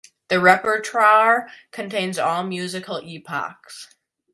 The repertoire contains all musical epochs.